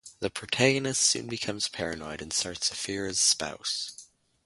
The protagonist soon becomes paranoid and starts to fear his spouse.